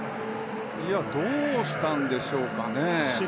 どうしたんでしょうかね。